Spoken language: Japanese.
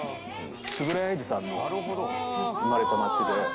円谷英二さんの生まれた街で。